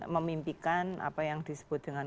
memimpikan apa yang disebut dengan